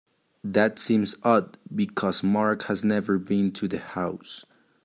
That seems odd because Mark has never been to the house.